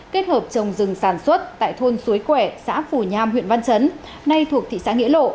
kết hợp trồng rừng sản xuất tại thôn suối quẻ xã phù nham huyện văn chấn nay thuộc thị xã nghĩa lộ